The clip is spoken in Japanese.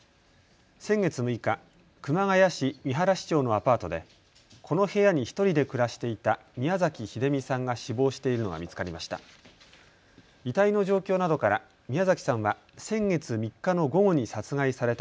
先月６日、熊谷市見晴町のアパートでこの部屋に１人で暮らしていた宮崎英美さんが死亡しているのが見つかりました。